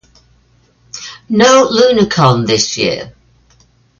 No Lunacon this year.